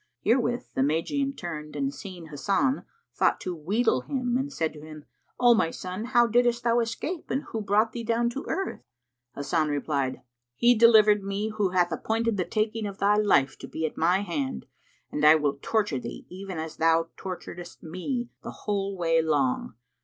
Herewith the Magian turned and seeing Hasan, thought to wheedle him and said to him, "O my son, how diddest thou escape and who brought thee down to earth?" Hasan replied, "He delivered me, who hath appointed the taking of thy life to be at my hand, and I will torture thee even as thou torturedst me the whole way long.